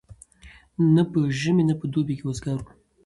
نه په ژمي نه په دوبي کي وزګار وو